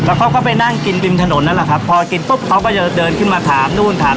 แล้วเขาก็ไปนั่งกินบิมถนนนั่นแหละครับ